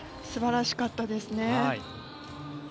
素晴らしかったですね。